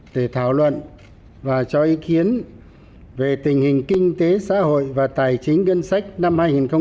để thảo luận và cho ý kiến về tình hình kinh tế xã hội và tài chính ngân sách năm hai nghìn một mươi tám